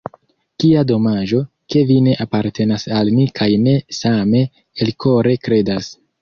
Kia domaĝo, ke vi ne apartenas al ni kaj ne same elkore kredas.